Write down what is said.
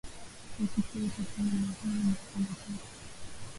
nasikia uko kwenye mahewa niko kwa matatu